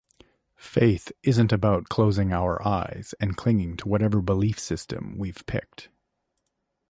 Faith isn't about closing our eyes and clinging to whatever belief system we've picked